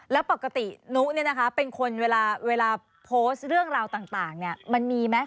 แล้วปกตินุเป็นคนเวลาโพสต์เรื่องราวต่างมันมีไหม